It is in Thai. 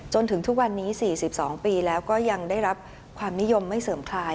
จนถึงทุกวันนี้๔๒ปีแล้วก็ยังได้รับความนิยมไม่เสริมคลาย